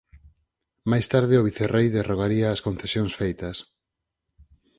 Máis tarde o Vicerrei derrogaría as concesións feitas.